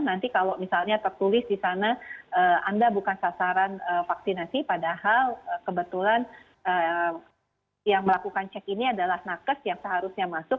nanti kalau misalnya tertulis di sana anda bukan sasaran vaksinasi padahal kebetulan yang melakukan cek ini adalah nakes yang seharusnya masuk